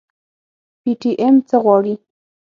پي ټي ايم څه غواړي؟